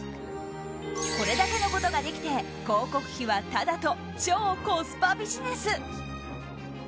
これだけのことができて広告費はタダと超コスパビジネス。